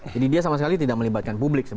jadi dia sama sekali tidak melibatkan publik